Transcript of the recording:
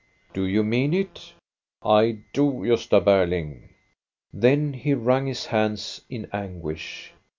'* Do you mean it? "" I do, G5sta Beriing." Then he wrung his hands in anguish.